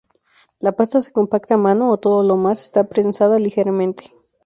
La pasta se compacta a mano o, todo lo más, está prensada ligeramente.